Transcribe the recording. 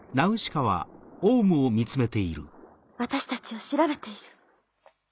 私たちを調べている。